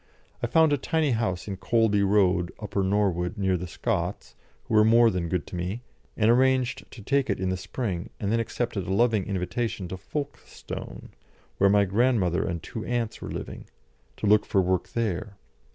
I found a tiny house in Colby Road, Upper Norwood, near the Scotts, who were more than good to me, and arranged to take it in the spring, and then accepted a loving invitation to Folkestone, where my grandmother and two aunts were living, to look for work there.